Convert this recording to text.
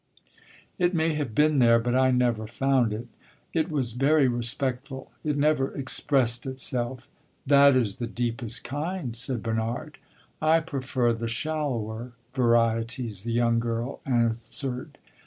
"It may have been there, but I never found it. It was very respectful it never expressed itself." "That is the deepest kind," said Bernard. "I prefer the shallower varieties," the young girl answered.